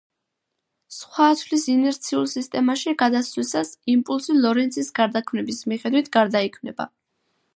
სხვა ათვლის ინერციულ სისტემაში გადასვლისას იმპულსი ლორენცის გარდაქმნების მიხედვით გარდაიქმნება.